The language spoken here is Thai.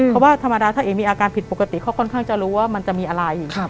เพราะว่าธรรมดาถ้าเอ๋มีอาการผิดปกติเขาค่อนข้างจะรู้ว่ามันจะมีอะไร